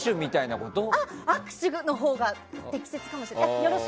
握手のほうが適切かもしれない。